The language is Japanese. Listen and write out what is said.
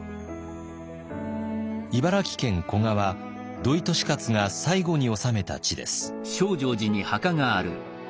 茨城県古河は土井利勝が最後に治めた地です。